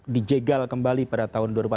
dijegal kembali pada tahun dua ribu empat belas